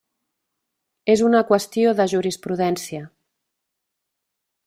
És una qüestió de jurisprudència.